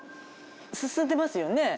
進んでますよね。